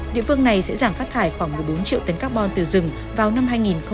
địa phương này sẽ giảm phát thải khoảng một mươi bốn triệu tấn carbon từ rừng vào năm hai nghìn ba mươi